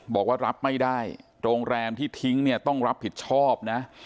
บอกว่ารับไม่ได้โรงแรมที่ทิ้งเนี่ยต้องรับผิดชอบนะ